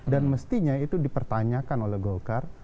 dan mestinya itu dipertanyakan oleh golkar